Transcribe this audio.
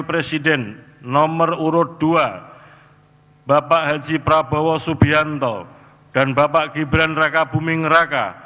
presiden nomor urut dua bapak haji prabowo subianto dan bapak gibran raka buming raka